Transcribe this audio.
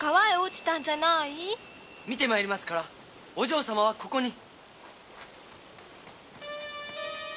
見てまいりますからお嬢様はここに。